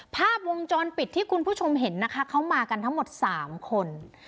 ภาพวงจรปิดที่คุณผู้ชมเห็นนะคะเขามากันทั้งหมด๓คน